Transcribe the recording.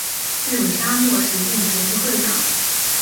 日本沙漠实践协会会长。